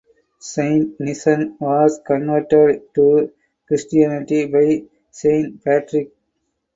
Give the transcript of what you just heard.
Saint Nissen was converted to Christianity by Saint Patrick.